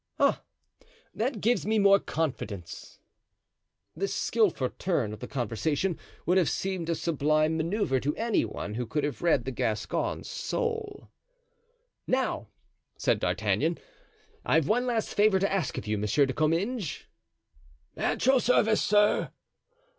"Ah, that gives me more confidence." This skillful turn of the conversation would have seemed a sublime manoeuvre to any one who could have read the Gascon's soul. "Now," said D'Artagnan, "I've one last favor to ask of you, Monsieur de Comminges." "At your service, sir."